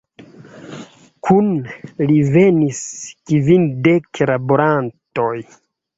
Kun li venis kvindek laborantoj.